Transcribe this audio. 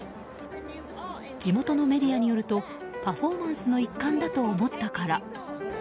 地元のメディアによるとパフォーマンスの一環だと思ったから。